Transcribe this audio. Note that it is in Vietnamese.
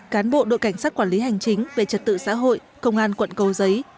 cán bộ đội cảnh sát quản lý hành chính về trật tự xã hội công an quận cầu giấy